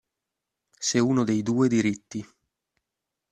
Se uno dei due diritti.